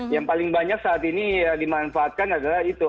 yang paling banyak saat ini dimanfaatkan adalah itu